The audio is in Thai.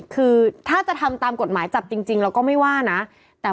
คือถ้าจะทำตามกฎหมายจับจริงเราก็ไม่ว่านะ